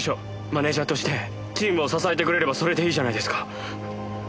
マネジャーとしてチームを支えてくれればそれでいいじゃないですか。